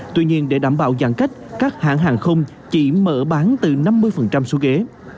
tuy nhiên để đảm bảo giãn cách các hãng hàng không chỉ mở bán từ năm mươi số ghế